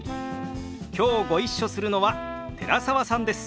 きょうご一緒するのは寺澤さんです。